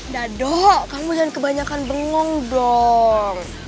dado kamu dan kebanyakan bengong dong